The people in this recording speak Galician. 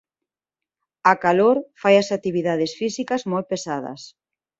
A calor fai as actividades físicas moi pesadas.